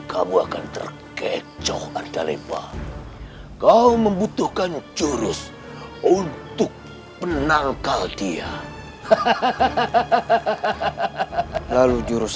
kamu akan terkecoh artalepa kau membutuhkan jurus untuk penangkal dia hahaha lalu jurus